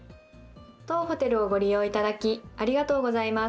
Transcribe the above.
当ホテルをご利用いただきありがとうございます。